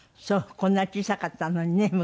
こんな小さかったのにね